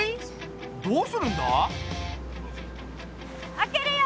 開けるよ！